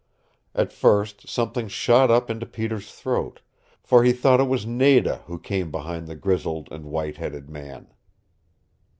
At first something shot up into Peter's throat, for he thought it was Nada who came behind the grizzled and white headed man.